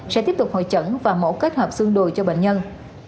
sẽ tiếp tục hội chẩn và mẫu kết hợp xương đùi cho bệnh nhân